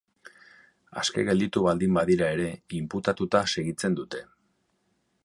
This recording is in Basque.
Aske gelditu baldin badira ere, inputatuta segitzen dute.